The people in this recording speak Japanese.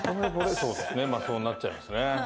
そうなっちゃいますね。